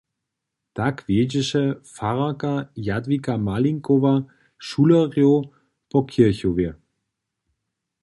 Tak wjedźeše fararka Jadwiga Malinkowa šulerjow po kěrchowje.